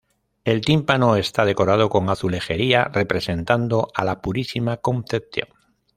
El tímpano está decorado con azulejería representando a la Purísima Concepción.